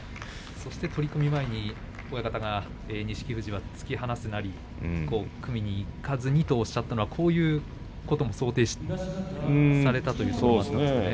取組前に親方が錦富士は突き放すなり組みにいかずにとおっしゃったのはこういうことを想定したわけですね。